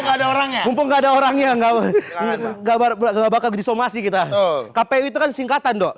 ada orangnya nggak ada orangnya nggak nggak bakal disomasi kita kpu itu kan singkatan doh